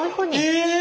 え